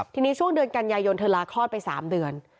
ทีนี้ช่วงเดือนกันยายนเธอลาคลอดไป๓เดือน